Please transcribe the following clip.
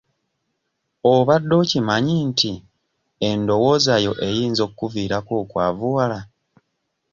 Obadde okimanyi nti endowoozayo eyinza okkuviirako okwavuwala?